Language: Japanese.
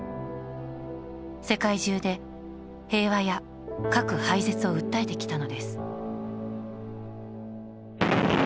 世界中で平和や、核廃絶を訴えてきたのです。